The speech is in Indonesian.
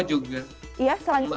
ini cukup enak